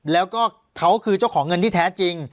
แล้วก็เขาคือเจ้าของเงินที่แท้จริง